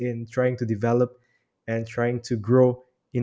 itu terdengar seperti rencana yang bagus